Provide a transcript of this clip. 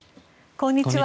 こんにちは。